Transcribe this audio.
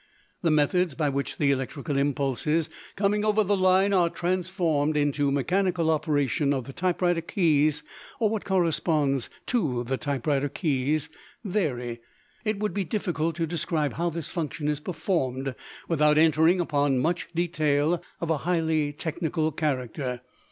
The methods by which the electrical impulses coming over the line are transformed into mechanical operation of the typewriter keys, or what corresponds to the typewriter keys, vary. It would be difficult to describe how this function is performed without entering upon much detail of a highly technical character.